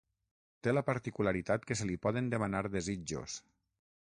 Té la particularitat que se li poden demanar desitjos.